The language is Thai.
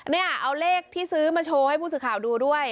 เนี่ยเอาเลขที่ซื้อมาโชว์ให้ผู้สื่อข่าวดูด้วย